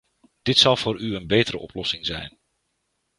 Dit zal voor u een betere oplossing zijn.